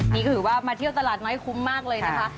นี่ก็ถือว่ามาเที่ยวตลาดน้อยคุ้มมากเลยนะคะ